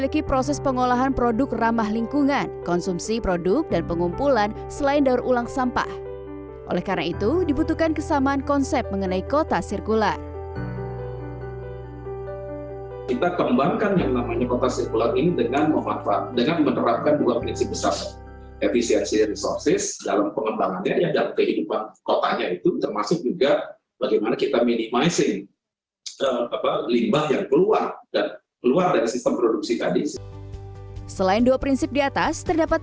kota ibu kota baru nusantara